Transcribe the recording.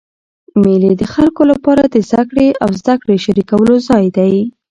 مېلې د خلکو له پاره د زدهکړي او زدهکړي شریکولو ځای دئ.